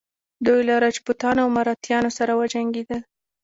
دوی له راجپوتانو او مراتیانو سره وجنګیدل.